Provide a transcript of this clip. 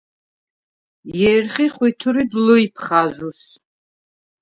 ჲერხი ხვითვრიდ ლჷჲფხაზუს.